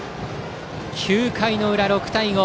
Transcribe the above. ９回の裏、６対５。